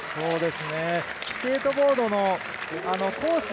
スケートボードのコース